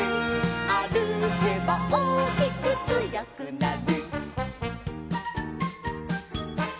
「あるけばおおきくつよくなる」